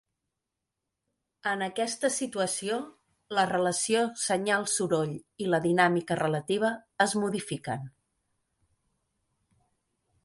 En aquesta situació, la relació senyal-soroll i la dinàmica relativa es modifiquen.